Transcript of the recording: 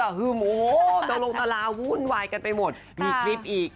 ฮึ่มโอ้โหตรงตาราวุ่นวายกันไปหมดมีคลิปอีก